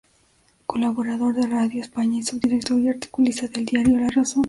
Colaborador de Radio España y subdirector y articulista del diario "La Razón".